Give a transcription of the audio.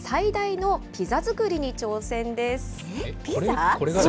ピザ？